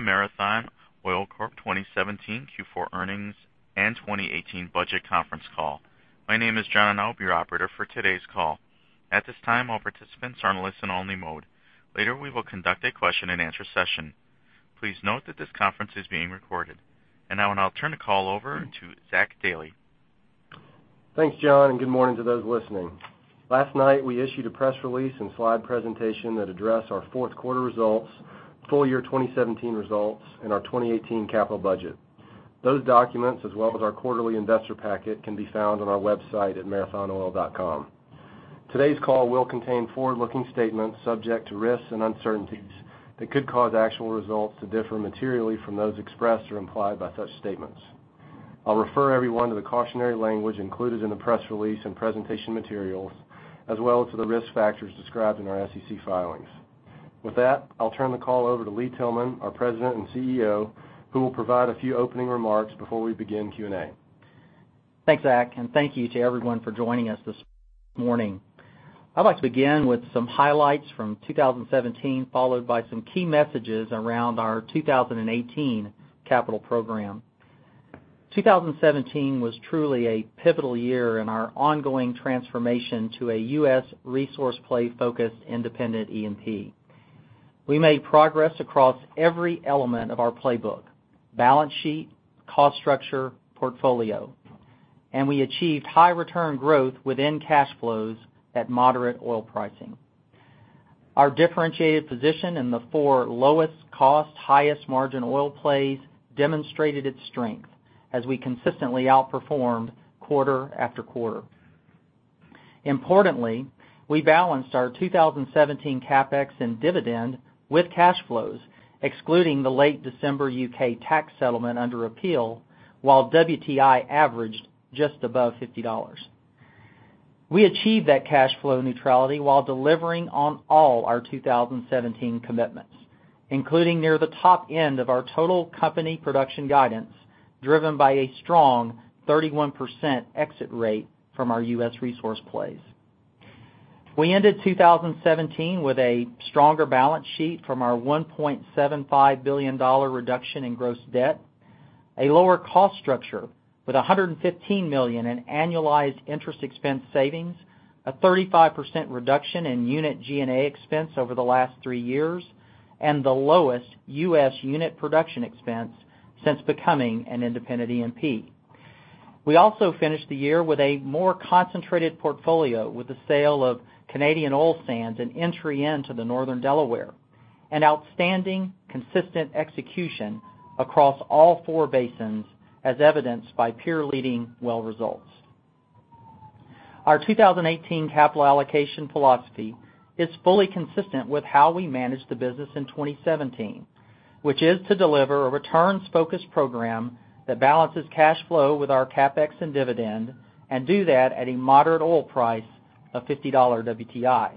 Welcome to the Marathon Oil Corp 2017 Q4 earnings and 2018 budget conference call. My name is John, and I'll be your operator for today's call. At this time, all participants are in listen-only mode. Later, we will conduct a question and answer session. Please note that this conference is being recorded. Now I'll turn the call over to Zach Dailey. Thanks, John, good morning to those listening. Last night, we issued a press release and slide presentation that addressed our fourth quarter results, full year 2017 results, and our 2018 capital budget. Those documents, as well as our quarterly investor packet, can be found on our website at marathonoil.com. Today's call will contain forward-looking statements subject to risks and uncertainties that could cause actual results to differ materially from those expressed or implied by such statements. I'll refer everyone to the cautionary language included in the press release and presentation materials, as well as to the risk factors described in our SEC filings. With that, I'll turn the call over to Lee Tillman, our President and CEO, who will provide a few opening remarks before we begin Q&A. Thanks, Zach, thank you to everyone for joining us this morning. I'd like to begin with some highlights from 2017, followed by some key messages around our 2018 capital program. 2017 was truly a pivotal year in our ongoing transformation to a U.S. resource play-focused independent E&P. We made progress across every element of our playbook: balance sheet, cost structure, portfolio, and we achieved high return growth within cash flows at moderate oil pricing. Importantly, we balanced our 2017 CapEx and dividend with cash flows, excluding the late December U.K. tax settlement under appeal, while WTI averaged just above $50. We achieved that cash flow neutrality while delivering on all our 2017 commitments, including near the top end of our total company production guidance, driven by a strong 31% exit rate from our U.S. resource plays. We ended 2017 with a stronger balance sheet from our $1.75 billion reduction in gross debt, a lower cost structure with $115 million in annualized interest expense savings, a 35% reduction in unit G&A expense over the last three years, and the lowest U.S. unit production expense since becoming an independent E&P. We also finished the year with a more concentrated portfolio with the sale of Canadian Oil Sands and entry into the Northern Delaware, and outstanding consistent execution across all four basins as evidenced by peer-leading well results. Our 2018 capital allocation philosophy is fully consistent with how we managed the business in 2017, which is to deliver a returns-focused program that balances cash flow with our CapEx and dividend, and do that at a moderate oil price of $50 WTI.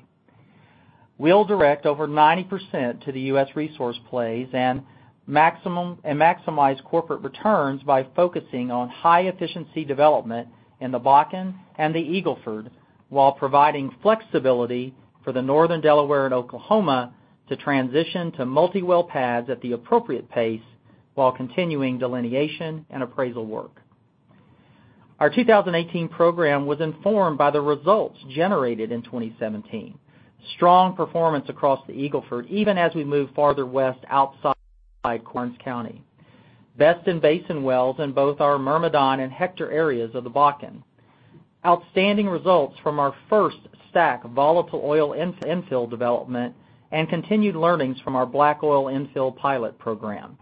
We'll direct over 90% to the U.S. resource plays and maximize corporate returns by focusing on high-efficiency development in the Bakken and the Eagle Ford while providing flexibility for the Northern Delaware and Oklahoma to transition to multi-well pads at the appropriate pace while continuing delineation and appraisal work. Our 2018 program was informed by the results generated in 2017. Strong performance across the Eagle Ford, even as we move farther west outside Karnes County. Best-in-basin wells in both our Myrmidon and Hector areas of the Bakken. Outstanding results from our first STACK volatile oil infill development, continued learnings from our black oil infill pilot program,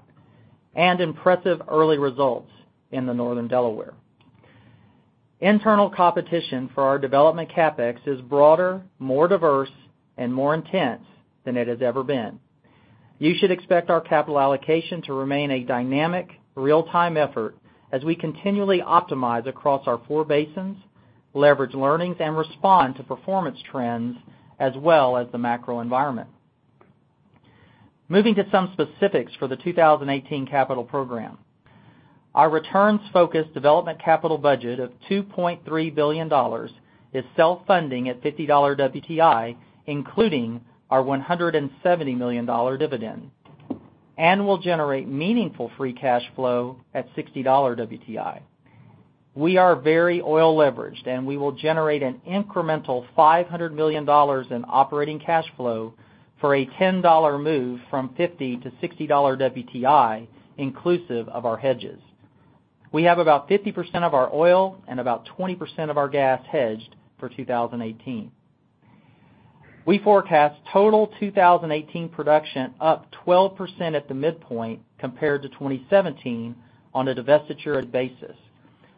impressive early results in the Northern Delaware. Internal competition for our development CapEx is broader, more diverse, and more intense than it has ever been. You should expect our capital allocation to remain a dynamic real-time effort as we continually optimize across our four basins, leverage learnings, and respond to performance trends as well as the macro environment. Moving to some specifics for the 2018 capital program. Our returns-focused development capital budget of $2.3 billion is self-funding at $50 WTI, including our $170 million dividend, will generate meaningful free cash flow at $60 WTI. We are very oil leveraged, we will generate an incremental $500 million in operating cash flow for a $10 move from $50 to $60 WTI inclusive of our hedges. We have about 50% of our oil and about 20% of our gas hedged for 2018. We forecast total 2018 production up 12% at the midpoint compared to 2017 on a divestiture basis.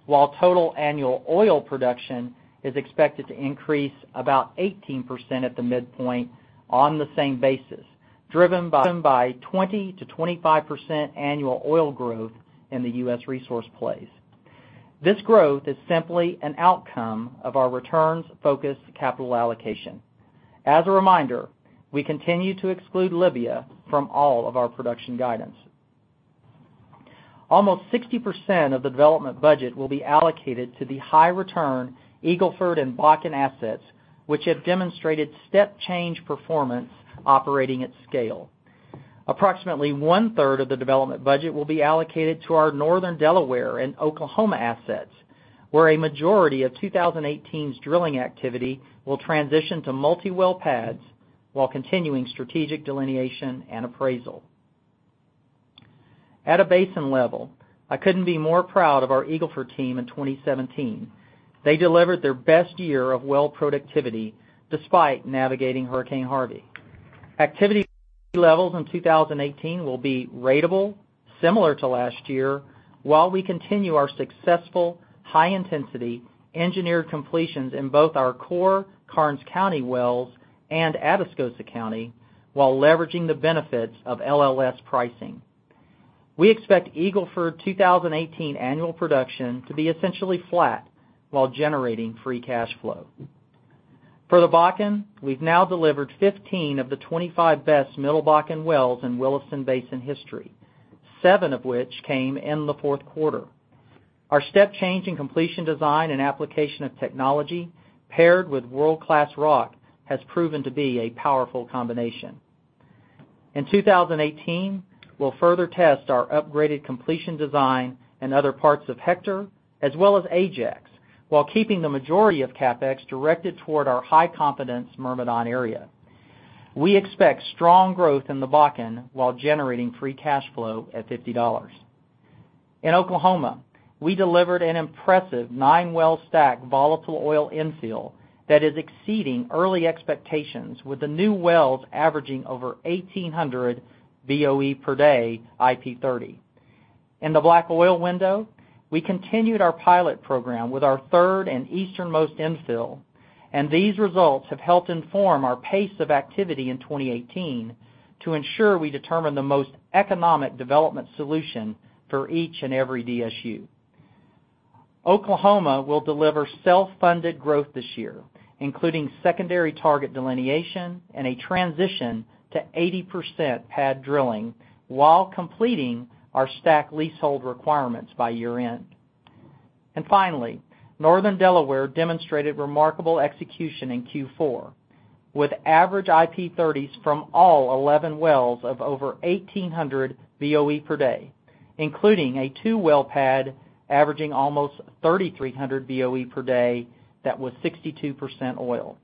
While total annual oil production is expected to increase about 18% at the midpoint on the same basis, driven by 20%-25% annual oil growth in the U.S. resource plays. This growth is simply an outcome of our returns-focused capital allocation. As a reminder, we continue to exclude Libya from all of our production guidance. Almost 60% of the development budget will be allocated to the high return Eagle Ford and Bakken assets, which have demonstrated step change performance operating at scale. Approximately one-third of the development budget will be allocated to our Northern Delaware and Oklahoma assets, where a majority of 2018's drilling activity will transition to multi-well pads while continuing strategic delineation and appraisal. At a basin level, I couldn't be more proud of our Eagle Ford team in 2017. They delivered their best year of well productivity despite navigating Hurricane Harvey. Activity levels in 2018 will be ratable, similar to last year, while we continue our successful high-intensity engineered completions in both our core Karnes County wells and Atascosa County while leveraging the benefits of LLS pricing. We expect Eagle Ford 2018 annual production to be essentially flat while generating free cash flow. For the Bakken, we've now delivered 15 of the 25 best Middle Bakken wells in Williston Basin history, seven of which came in the fourth quarter. Our step change in completion design and application of technology, paired with world-class rock, has proven to be a powerful combination. In 2018, we will further test our upgraded completion design in other parts of Hector as well as Ajax while keeping the majority of CapEx directed toward our high-confidence Myrmidon area. We expect strong growth in the Bakken while generating free cash flow at $50. In Oklahoma, we delivered an impressive nine-well STACK volatile oil infill that is exceeding early expectations with the new wells averaging over 1,800 BOE per day IP 30. In the black oil window, we continued our pilot program with our third and easternmost infill. These results have helped inform our pace of activity in 2018 to ensure we determine the most economic development solution for each and every DSU. Oklahoma will deliver self-funded growth this year, including secondary target delineation and a transition to 80% pad drilling while completing our STACK leasehold requirements by year-end. Finally, Northern Delaware demonstrated remarkable execution in Q4, with average IP 30s from all 11 wells of over 1,800 BOE per day, including a two-well pad averaging almost 3,300 BOE per day that was 62% oil.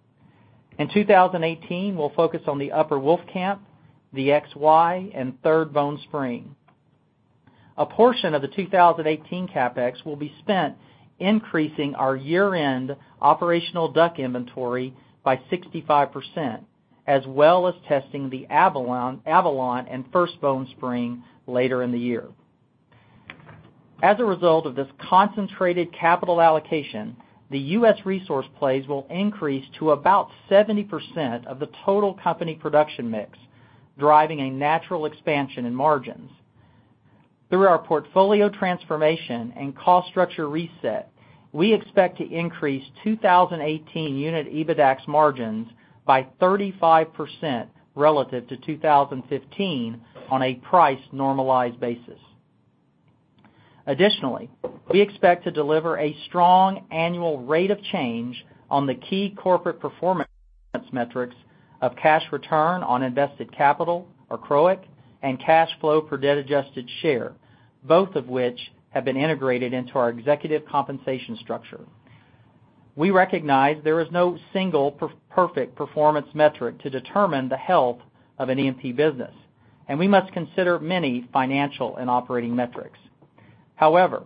In 2018, we will focus on the Upper Wolfcamp, the XY, and Third Bone Spring. A portion of the 2018 CapEx will be spent increasing our year-end operational DUC inventory by 65%, as well as testing the Avalon and First Bone Spring later in the year. As a result of this concentrated capital allocation, the U.S. resource plays will increase to about 70% of the total company production mix, driving a natural expansion in margins. Through our portfolio transformation and cost structure reset, we expect to increase 2018 unit EBITDAX margins by 35% relative to 2015 on a price-normalized basis. Additionally, we expect to deliver a strong annual rate of change on the key corporate performance metrics of cash return on invested capital, or CROIC, and cash flow per debt-adjusted share, both of which have been integrated into our executive compensation structure. We recognize there is no single perfect performance metric to determine the health of an E&P business. We must consider many financial and operating metrics. However,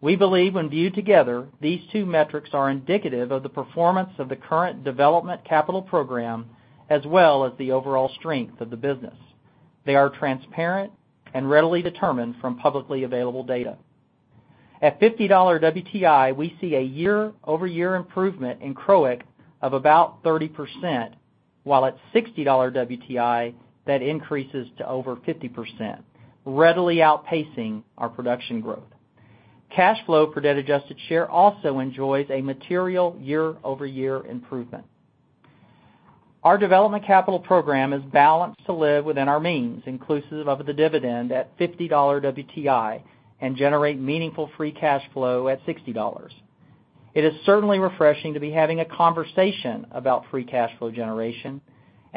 we believe when viewed together, these two metrics are indicative of the performance of the current development capital program, as well as the overall strength of the business. They are transparent and readily determined from publicly available data. At $50 WTI, we see a year-over-year improvement in CROIC of about 30%, while at $60 WTI, that increases to over 50%, readily outpacing our production growth. Cash flow per debt-adjusted share also enjoys a material year-over-year improvement. Our development capital program is balanced to live within our means, inclusive of the dividend at $50 WTI, generate meaningful free cash flow at $60. It is certainly refreshing to be having a conversation about free cash flow generation.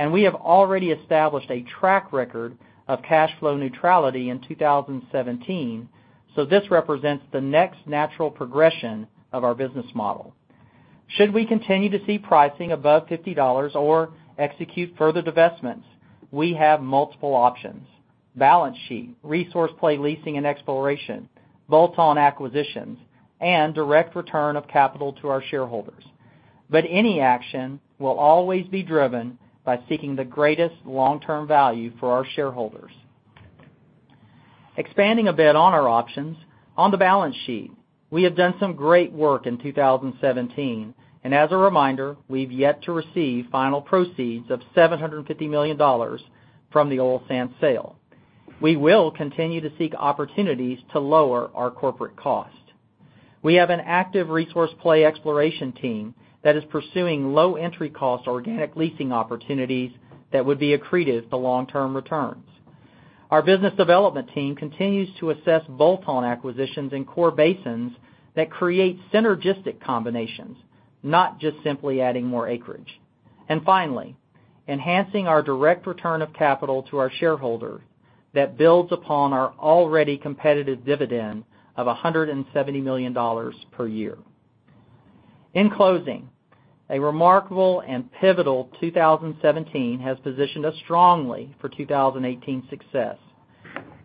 We have already established a track record of cash flow neutrality in 2017. This represents the next natural progression of our business model. Should we continue to see pricing above $50 or execute further divestments, we have multiple options. Balance sheet, resource play leasing and exploration, bolt-on acquisitions, and direct return of capital to our shareholders. Any action will always be driven by seeking the greatest long-term value for our shareholders. Expanding a bit on our options, on the balance sheet, we have done some great work in 2017. As a reminder, we have yet to receive final proceeds of $750 million from the oil sands sale. We will continue to seek opportunities to lower our corporate cost. We have an active resource play exploration team that is pursuing low entry cost organic leasing opportunities that would be accretive to long-term returns. Our business development team continues to assess bolt-on acquisitions in core basins that create synergistic combinations, not just simply adding more acreage. Finally, enhancing our direct return of capital to our shareholder that builds upon our already competitive dividend of $170 million per year. In closing, a remarkable and pivotal 2017 has positioned us strongly for 2018 success.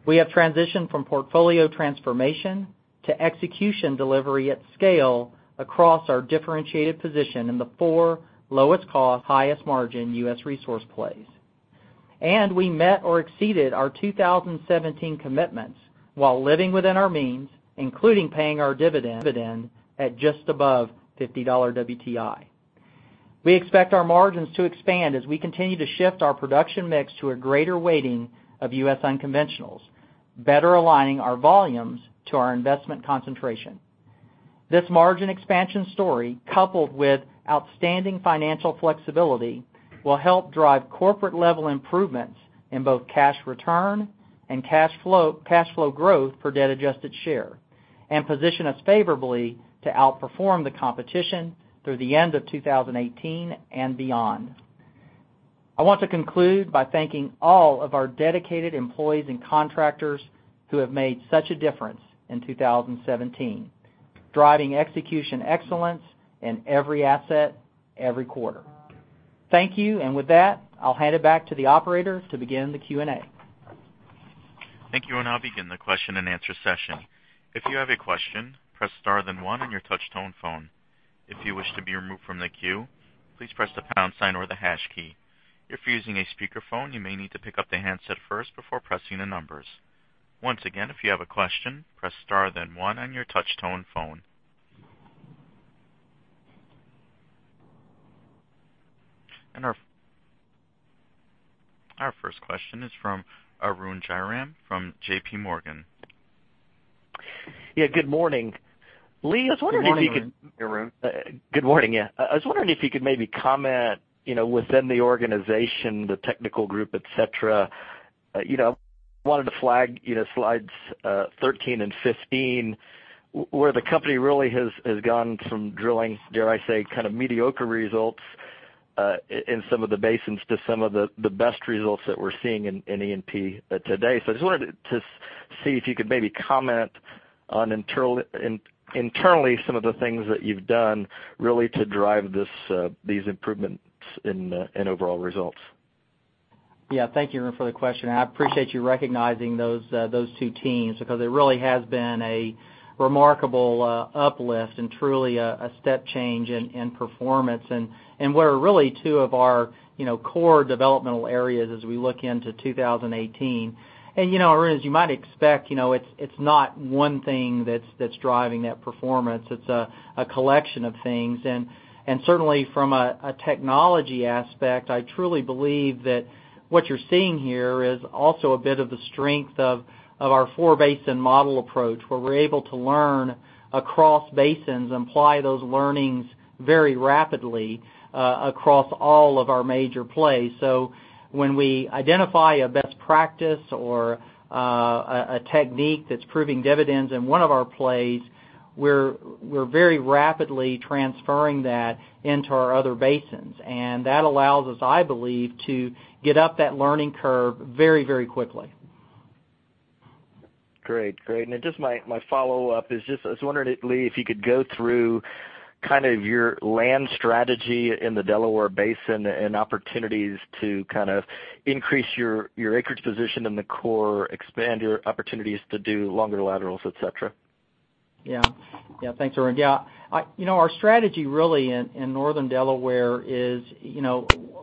We have transitioned from portfolio transformation to execution delivery at scale across our differentiated position in the four lowest cost, highest margin U.S. resource plays. We met or exceeded our 2017 commitments while living within our means, including paying our dividend at just above $50 WTI. We expect our margins to expand as we continue to shift our production mix to a greater weighting of U.S. unconventionals, better aligning our volumes to our investment concentration. This margin expansion story, coupled with outstanding financial flexibility, will help drive corporate-level improvements in both cash return and cash flow growth per debt adjusted share. Position us favorably to outperform the competition through the end of 2018 and beyond. I want to conclude by thanking all of our dedicated employees and contractors who have made such a difference in 2017, driving execution excellence in every asset, every quarter. Thank you. With that, I'll hand it back to the operator to begin the Q&A. Thank you. I'll begin the question and answer session. If you have a question, press star then one on your touch tone phone. If you wish to be removed from the queue, please press the pound sign or the hash key. If you're using a speakerphone, you may need to pick up the handset first before pressing the numbers. Once again, if you have a question, press star then one on your touch tone phone. Our first question is from Arun Jayaram from JP Morgan. Yeah, good morning. Lee Good morning. Good morning, yeah. I was wondering if you could maybe comment within the organization, the technical group, et cetera. I wanted to flag slides 13 and 15, where the company really has gone from drilling, dare I say, kind of mediocre results, in some of the basins to some of the best results that we're seeing in E&P today. Just wanted to see if you could maybe comment on internally some of the things that you've done really to drive these improvements in overall results. Yeah, thank you, Arun, for the question. I appreciate you recognizing those two teams because it really has been a remarkable uplift and truly a step change in performance, and where really two of our core developmental areas as we look into 2018. Arun, as you might expect, it's not one thing that's driving that performance. It's a collection of things. Certainly from a technology aspect, I truly believe that what you're seeing here is also a bit of the strength of our four basin model approach, where we're able to learn across basins and apply those learnings very rapidly across all of our major plays. When we identify a best practice or a technique that's proving dividends in one of our plays, we're very rapidly transferring that into our other basins. That allows us, I believe, to get up that learning curve very quickly. Great. Just my follow-up is just, I was wondering, Lee, if you could go through kind of your land strategy in the Delaware Basin and opportunities to kind of increase your acreage position in the core, expand your opportunities to do longer laterals, et cetera. Thanks, Arun. Our strategy really in Northern Delaware is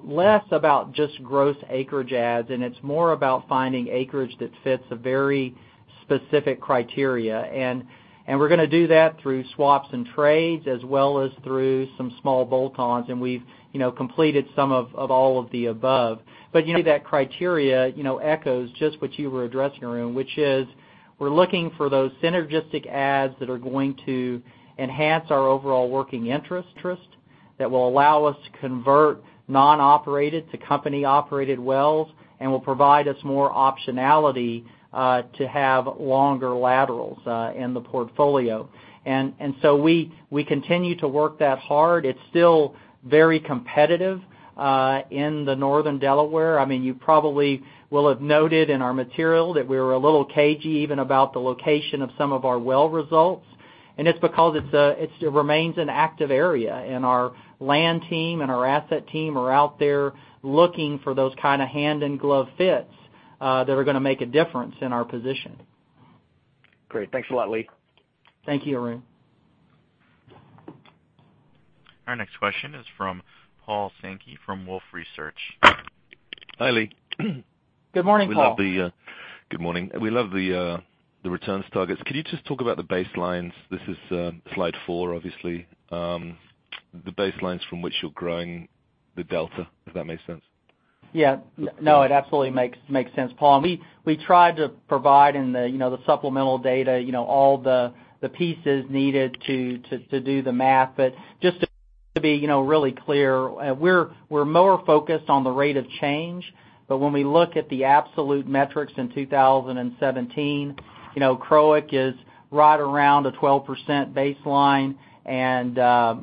less about just gross acreage adds, it's more about finding acreage that fits a very specific criteria. We're going to do that through swaps and trades, as well as through some small bolt-ons, we've completed some of all of the above. That criteria echoes just what you were addressing, Arun, which is we're looking for those synergistic adds that are going to enhance our overall working interest, that will allow us to convert non-operated to company operated wells, will provide us more optionality to have longer laterals in the portfolio. We continue to work that hard. It's still very competitive in the Northern Delaware. You probably will have noted in our material that we were a little cagey even about the location of some of our well results, it's because it remains an active area, our land team and our asset team are out there looking for those kind of hand-in-glove fits that are going to make a difference in our position. Great. Thanks a lot, Lee. Thank you, Arun. Our next question is from Paul Sankey from Wolfe Research. Hi, Lee. Good morning, Paul. Good morning. We love the returns targets. Could you just talk about the baselines? This is slide four, obviously. The baselines from which you're growing the delta, if that makes sense. No, it absolutely makes sense, Paul. We tried to provide in the supplemental data all the pieces needed to do the math. Just to be really clear, we're more focused on the rate of change. When we look at the absolute metrics in 2017, CROIC is right around a 12% baseline, and the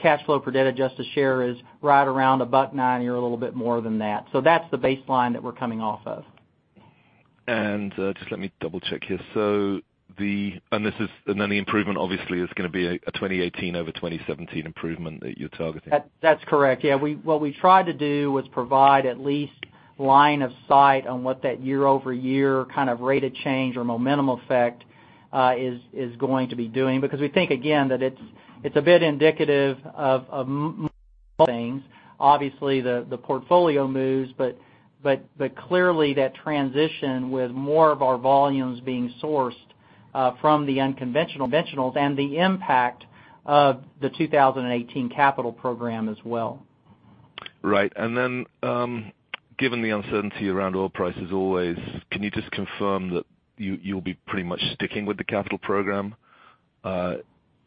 cash flow per debt adjusted share is right around $1.09 or a little bit more than that. That's the baseline that we're coming off of. Just let me double-check here. The improvement obviously is going to be a 2018 over 2017 improvement that you're targeting. That's correct. What we tried to do was provide at least line of sight on what that year-over-year kind of rate of change or momentum effect is going to be doing. We think, again, that it's a bit indicative of things. Obviously, the portfolio moves, but clearly that transition with more of our volumes being sourced from the unconventional and the impact of the 2018 capital program as well. Right. Given the uncertainty around oil prices always, can you just confirm that you'll be pretty much sticking with the capital program,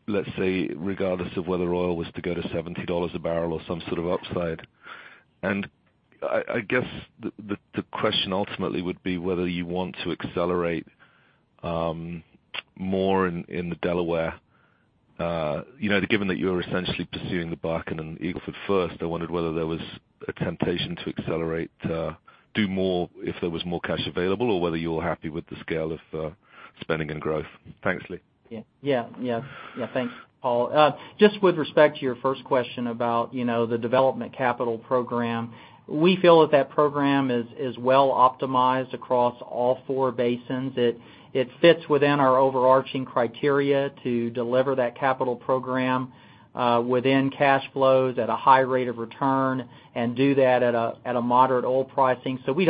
let's say, regardless of whether oil was to go to $70 a barrel or some sort of upside? I guess the question ultimately would be whether you want to accelerate more in the Delaware. Given that you're essentially pursuing the Bakken and Eagle Ford first, I wondered whether there was a temptation to accelerate, do more if there was more cash available, or whether you're happy with the scale of spending and growth. Thanks, Lee. Yeah. Thanks, Paul. Just with respect to your first question about the development capital program, we feel that that program is well optimized across all four basins. It fits within our overarching criteria to deliver that capital program within cash flows at a high rate of return and do that at a moderate oil pricing. We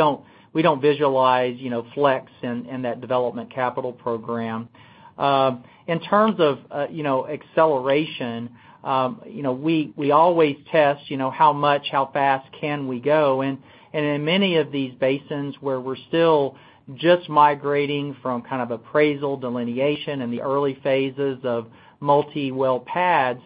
don't visualize flex in that development capital program. In terms of acceleration, we always test how much, how fast can we go. In many of these basins where we're still just migrating from kind of appraisal delineation in the early phases of multi-well pads,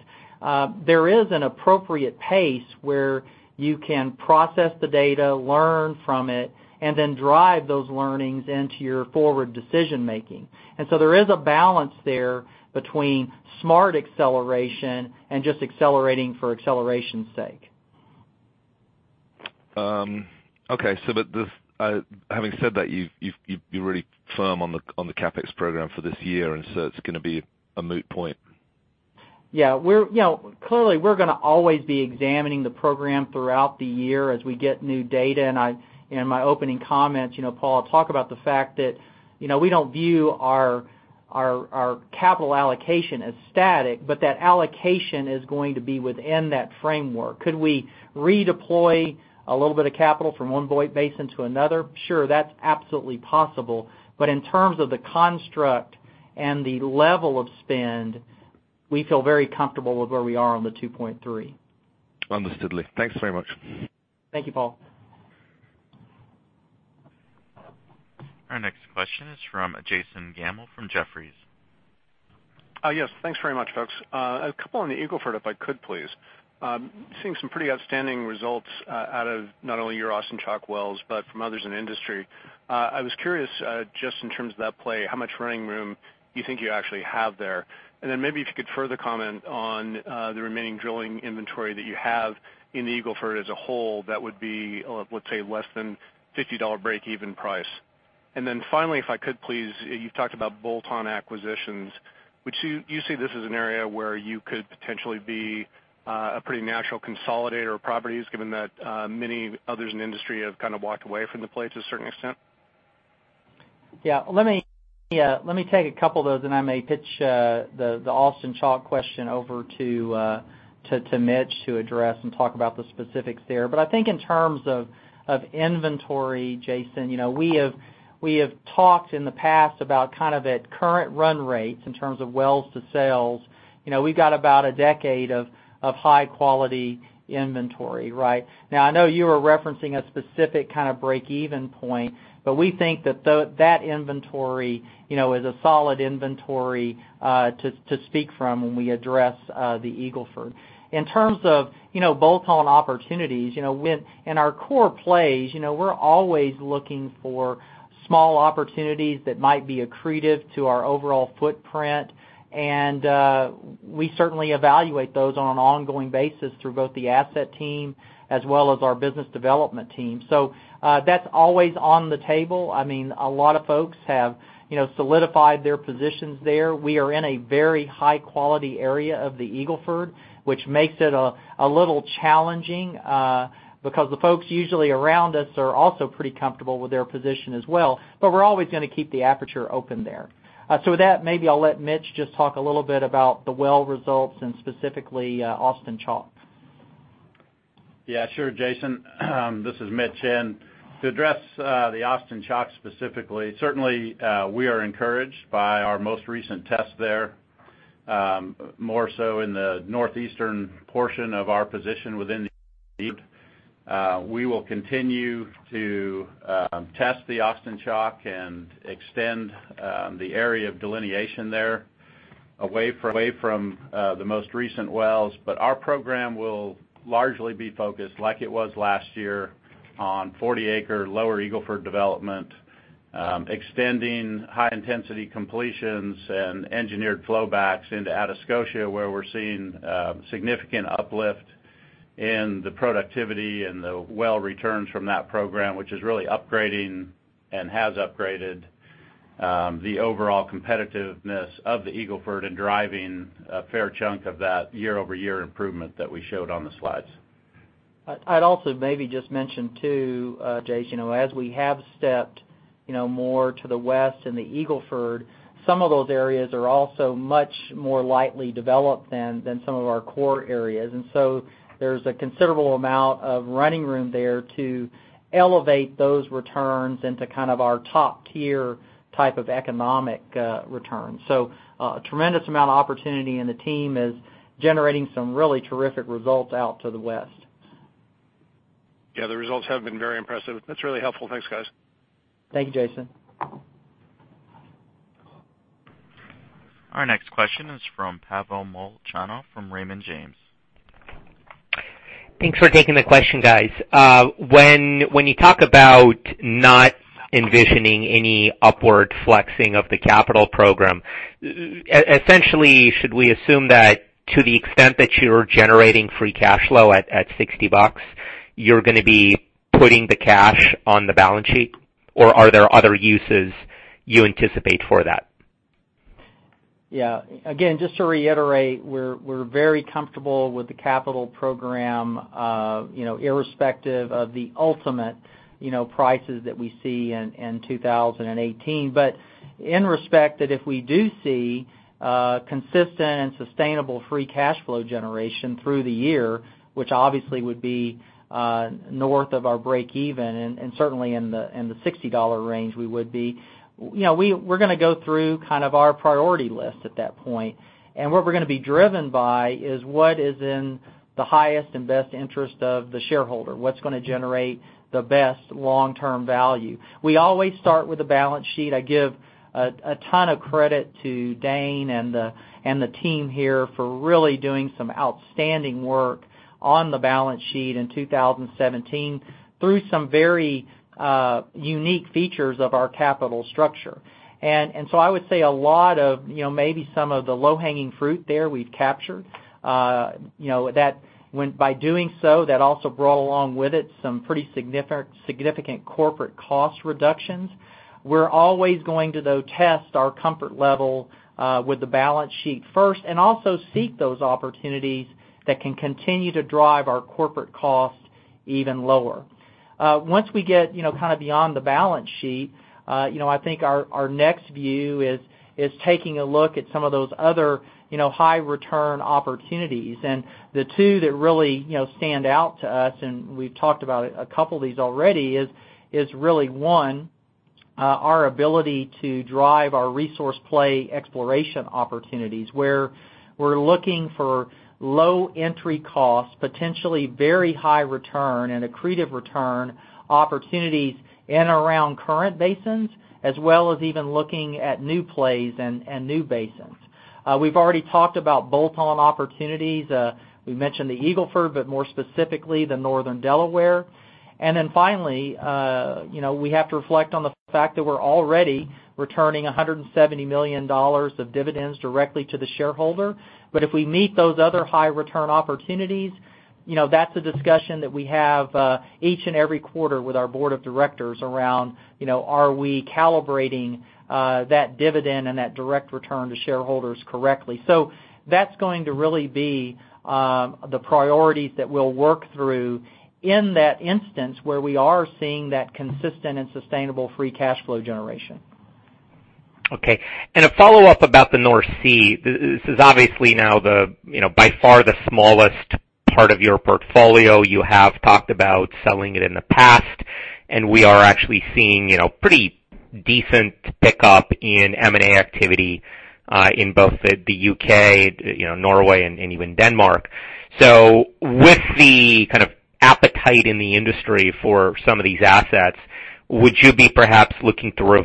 there is an appropriate pace where you can process the data, learn from it, and then drive those learnings into your forward decision making. There is a balance there between smart acceleration and just accelerating for acceleration's sake. Okay. Having said that, you're really firm on the CapEx program for this year, and so it's going to be a moot point. Yeah. Clearly, we're going to always be examining the program throughout the year as we get new data. In my opening comments, Paul, I talk about the fact that we don't view our capital allocation as static, but that allocation is going to be within that framework. Could we redeploy a little bit of capital from one basin to another? Sure, that's absolutely possible. But in terms of the construct and the level of spend, we feel very comfortable with where we are on the $2.3. Understood, Lee. Thanks very much. Thank you, Paul. Our next question is from Jason Gammel from Jefferies. Yes, thanks very much, folks. A couple on the Eagle Ford, if I could, please. Seeing some pretty outstanding results out of not only your Austin Chalk wells, but from others in the industry. I was curious, just in terms of that play, how much running room you think you actually have there. Then maybe if you could further comment on the remaining drilling inventory that you have in the Eagle Ford as a whole, that would be, let's say, less than $50 breakeven price. Then finally, if I could, please, you've talked about bolt-on acquisitions. Would you say this is an area where you could potentially be a pretty natural consolidator of properties, given that many others in the industry have kind of walked away from the play to a certain extent? Yeah, let me take a couple of those, and I may pitch the Austin Chalk question over to Mitch to address and talk about the specifics there. I think in terms of inventory, Jason, we have talked in the past about kind of at current run rates in terms of wells to sales, we've got about a decade of high-quality inventory, right? I know you were referencing a specific kind of break-even point, we think that inventory is a solid inventory to speak from when we address the Eagle Ford. In terms of bolt-on opportunities, in our core plays, we're always looking for small opportunities that might be accretive to our overall footprint, and we certainly evaluate those on an ongoing basis through both the asset team as well as our business development team. That's always on the table. A lot of folks have solidified their positions there. We are in a very high-quality area of the Eagle Ford, which makes it a little challenging because the folks usually around us are also pretty comfortable with their position as well. We're always going to keep the aperture open there. With that, maybe I'll let Mitch just talk a little bit about the well results and specifically Austin Chalk. Yeah, sure, Jason. This is Mitch. To address the Austin Chalk specifically, certainly we are encouraged by our most recent test there More so in the northeastern portion of our position within the. We will continue to test the Austin Chalk and extend the area of delineation there away from the most recent wells. Our program will largely be focused, like it was last year, on 40-acre Lower Eagle Ford development, extending high-intensity completions and engineered flowbacks into Atascosa, where we're seeing significant uplift in the productivity and the well returns from that program, which is really upgrading, and has upgraded, the overall competitiveness of the Eagle Ford and driving a fair chunk of that year-over-year improvement that we showed on the slides. I'd also maybe just mention too, Jason, as we have stepped more to the west in the Eagle Ford, some of those areas are also much more lightly developed than some of our core areas. There's a considerable amount of running room there to elevate those returns into our top-tier type of economic return. A tremendous amount of opportunity, and the team is generating some really terrific results out to the west. Yeah, the results have been very impressive. That's really helpful. Thanks, guys. Thank you, Jason. Our next question is from Pavel Molchanov from Raymond James. Thanks for taking the question, guys. When you talk about not envisioning any upward flexing of the capital program, essentially, should we assume that to the extent that you're generating free cash flow at $60, you're going to be putting the cash on the balance sheet, or are there other uses you anticipate for that? Yeah. Again, just to reiterate, we're very comfortable with the capital program irrespective of the ultimate prices that we see in 2018. In respect that if we do see consistent and sustainable free cash flow generation through the year, which obviously would be north of our break even, and certainly in the $60 range, we would be. We're going to go through our priority list at that point. What we're going to be driven by is what is in the highest and best interest of the shareholder, what's going to generate the best long-term value. We always start with the balance sheet. I give a ton of credit to Dane and the team here for really doing some outstanding work on the balance sheet in 2017 through some very unique features of our capital structure. I would say a lot of maybe some of the low-hanging fruit there we've captured. By doing so, that also brought along with it some pretty significant corporate cost reductions. We're always going to, though, test our comfort level with the balance sheet first, and also seek those opportunities that can continue to drive our corporate cost even lower. Once we get beyond the balance sheet, I think our next view is taking a look at some of those other high-return opportunities. The two that really stand out to us, and we've talked about a couple of these already, is really, one, our ability to drive our resource play exploration opportunities, where we're looking for low entry cost, potentially very high return and accretive return opportunities in and around current basins, as well as even looking at new plays and new basins. We've already talked about bolt-on opportunities. We mentioned the Eagle Ford, but more specifically, the Northern Delaware. And then finally, we have to reflect on the fact that we're already returning $170 million of dividends directly to the shareholder. But if we meet those other high return opportunities, that's a discussion that we have each and every quarter with our board of directors around are we calibrating that dividend and that direct return to shareholders correctly? So that's going to really be the priorities that we'll work through in that instance where we are seeing that consistent and sustainable free cash flow generation. We've already talked about bolt-on opportunities. We mentioned the Eagle Ford, but more specifically, the Northern Delaware. Finally, we have to reflect on the fact that we're already returning $170 million of dividends directly to the shareholder. If we meet those other high return opportunities, that's a discussion that we have each and every quarter with our board of directors around are we calibrating that dividend and that direct return to shareholders correctly? That's going to really be the priorities that we'll work through in that instance where we are seeing that consistent and sustainable free cash flow generation.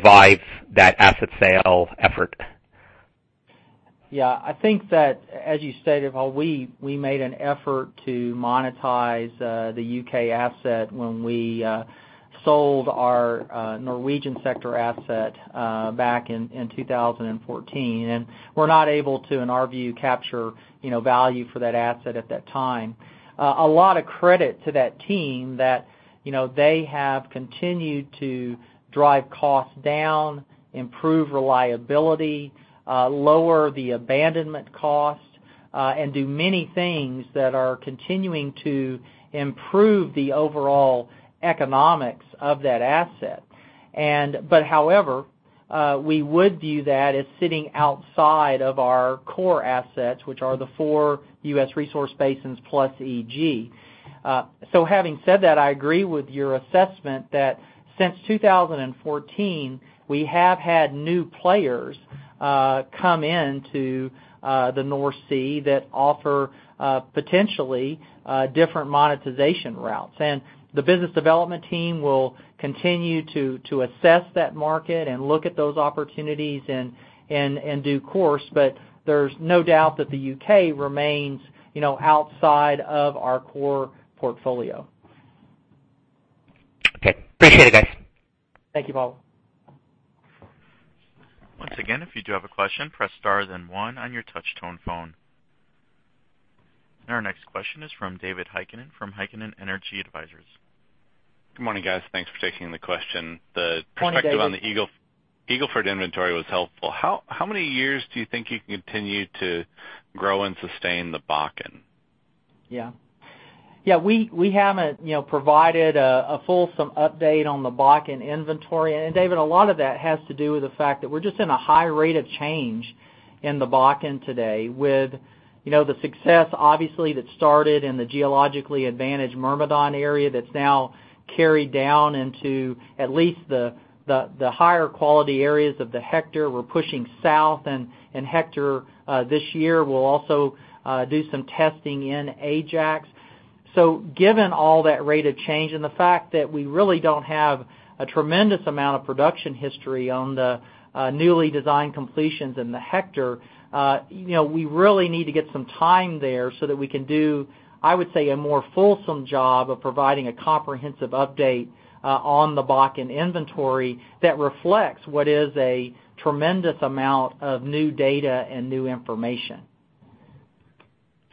Yeah. I think that, as you stated, Pavel, we made an effort to monetize the U.K. asset when we sold our Norwegian sector asset back in 2014. Were not able to, in our view, capture value for that asset at that time. A lot of credit to that team that they have continued to drive costs down, improve reliability, lower the abandonment cost, and do many things that are continuing to improve the overall economics of that asset. However, we would view that as sitting outside of our core assets, which are the four U.S. resource basins plus EG. Having said that, I agree with your assessment that since 2014, we have had new players come into the North Sea that offer potentially different monetization routes. The business development team will continue to assess that market and look at those opportunities in due course. there's no doubt that the U.K. remains outside of our core portfolio. Okay. Appreciate it, guys. Thank you, Paul. Once again, if you do have a question, press star then one on your touch-tone phone. Our next question is from David Heikkinen from Heikkinen Energy Advisors. Good morning, guys. Thanks for taking the question. Morning, David. The perspective on the Eagle Ford inventory was helpful. How many years do you think you can continue to grow and sustain the Bakken? Yeah. We haven't provided a fulsome update on the Bakken inventory. David, a lot of that has to do with the fact that we're just in a high rate of change in the Bakken today, with the success, obviously, that started in the geologically advantaged Myrmidon area that's now carried down into at least the higher quality areas of the Hector. We're pushing south in Hector this year. We'll also do some testing in Ajax. Given all that rate of change and the fact that we really don't have a tremendous amount of production history on the newly designed completions in the Hector, we really need to get some time there so that we can do, I would say, a more fulsome job of providing a comprehensive update on the Bakken inventory that reflects what is a tremendous amount of new data and new information.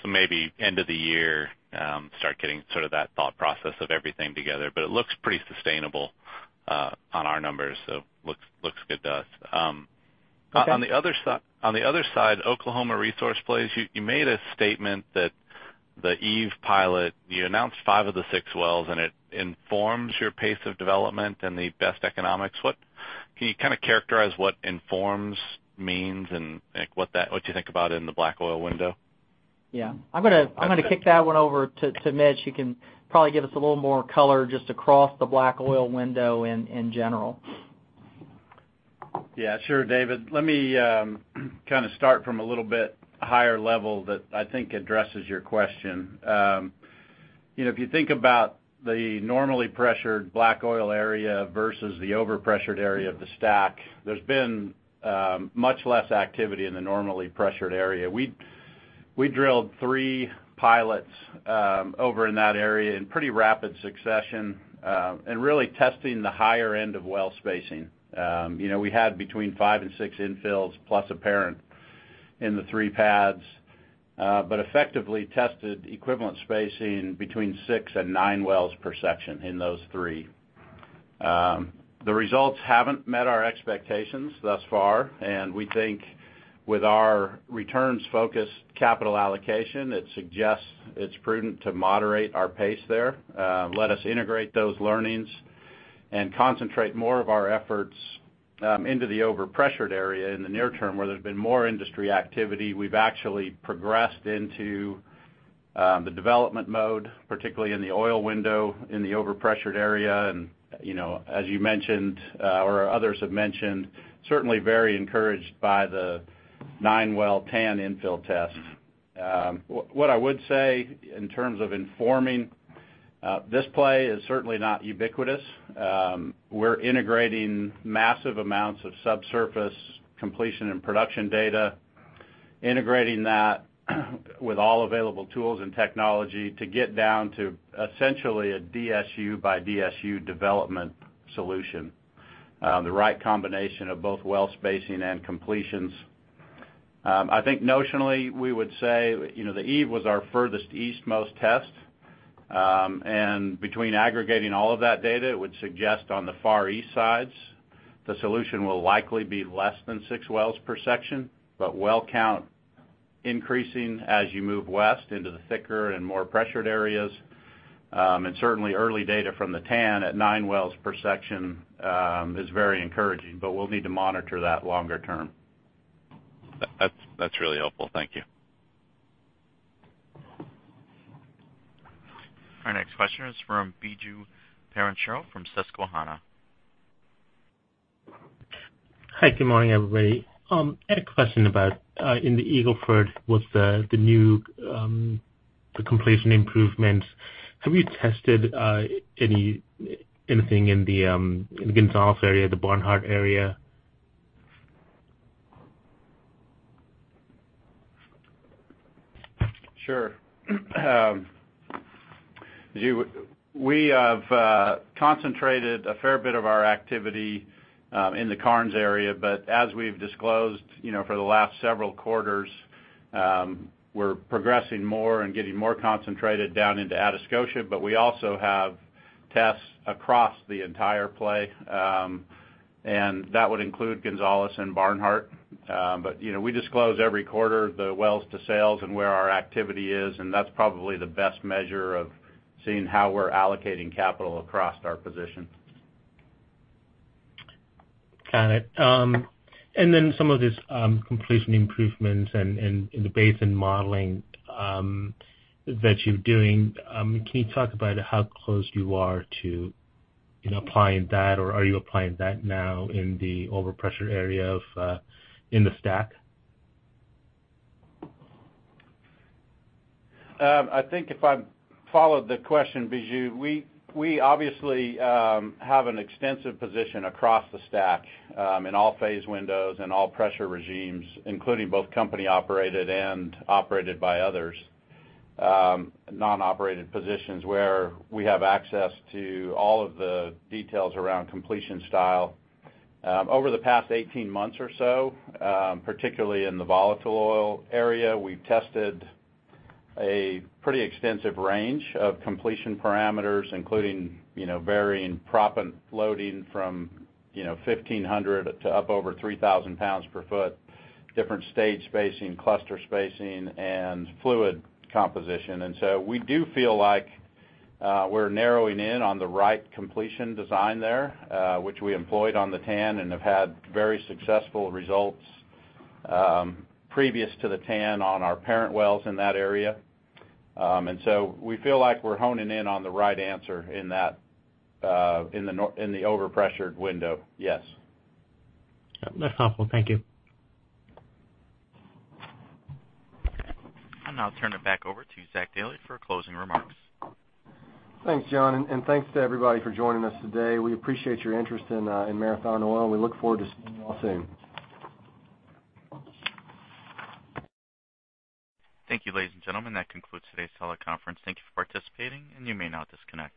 Maybe end of the year, start getting sort of that thought process of everything together. It looks pretty sustainable on our numbers. Looks good to us. Okay. On the other side, Oklahoma resource plays. You made a statement that the Eve pilot, you announced five of the six wells, and it informs your pace of development and the best economics. Can you kind of characterize what informs means and what you think about in the black oil window? I'm going to kick that one over to Mitch. He can probably give us a little more color just across the black oil window in general. David. Let me kind of start from a little bit higher level that I think addresses your question. If you think about the normally pressured black oil area versus the over-pressured area of the STACK, there's been much less activity in the normally pressured area. We drilled three pilots over in that area in pretty rapid succession, and really testing the higher end of well spacing. We had between five and six infills, plus a parent in the three pads. Effectively tested equivalent spacing between six and nine wells per section in those three. The results haven't met our expectations thus far. We think with our returns-focused capital allocation, it suggests it's prudent to moderate our pace there. Let us integrate those learnings and concentrate more of our efforts into the over-pressured area in the near term, where there's been more industry activity. We've actually progressed into the development mode, particularly in the oil window, in the over-pressured area. As you mentioned, or others have mentioned, certainly very encouraged by the 9-well TAN infill test. What I would say in terms of informing this play is certainly not ubiquitous. We're integrating massive amounts of subsurface completion and production data, integrating that with all available tools and technology to get down to essentially a DSU by DSU development solution. The right combination of both well spacing and completions. I think notionally, we would say, the Eve was our furthest eastmost test. Between aggregating all of that data, it would suggest on the far east sides, the solution will likely be less than 6 wells per section, but well count increasing as you move west into the thicker and more pressured areas. Certainly early data from the TAN at 9 wells per section is very encouraging. We'll need to monitor that longer term. That's really helpful. Thank you. Our next question is from Biju Perincheril from Susquehanna. Hi, good morning, everybody. I had a question about in the Eagle Ford, with the completion improvements, have you tested anything in the Gonzales area, the Barnhart area? Sure. We have concentrated a fair bit of our activity in the Karnes area, as we've disclosed for the last several quarters, we're progressing more and getting more concentrated down into Atascosa, but we also have tests across the entire play. That would include Gonzales and Barnhart. We disclose every quarter the wells to sales and where our activity is, and that's probably the best measure of seeing how we're allocating capital across our position. Got it. Some of these completion improvements and the basin modeling that you're doing, can you talk about how close you are to applying that, or are you applying that now in the over-pressured area in the STACK? I think if I followed the question, Biju, we obviously have an extensive position across the STACK in all phase windows and all pressure regimes, including both company operated and operated by others. Non-operated positions where we have access to all of the details around completion style. Over the past 18 months or so, particularly in the volatile oil area, we've tested a pretty extensive range of completion parameters, including varying proppant loading from 1,500 to up over 3,000 pounds per foot, different stage spacing, cluster spacing, and fluid composition. We do feel like we're narrowing in on the right completion design there, which we employed on the TAN and have had very successful results previous to the TAN on our parent wells in that area. We feel like we're honing in on the right answer in the over-pressured window, yes. That's helpful. Thank you. I'll now turn it back over to Zach Dailey for closing remarks. Thanks, John, and thanks to everybody for joining us today. We appreciate your interest in Marathon Oil. We look forward to seeing you all soon. Thank you, ladies and gentlemen. That concludes today's teleconference. Thank you for participating, and you may now disconnect.